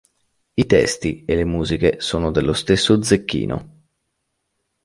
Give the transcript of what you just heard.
I testi e le musiche sono dello stesso Zecchino.